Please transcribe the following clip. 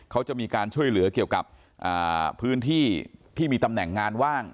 เขาจะมีการช่วยเหลือเกี่ยวกับพื้นที่ที่มีตำแหน่งงานว่าง